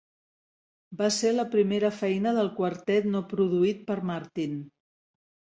Va ser la primera feina del quartet no produït per Martin.